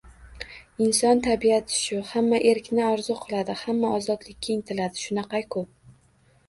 Inson tabiati shu: hamma erkni orzu qiladi. Hamma ozodlikka intiladi. Shunaqa-ku.